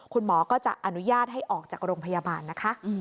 คุณหมอก็จะอนุญาตให้ออกจากโรงพยาบาลนะคะ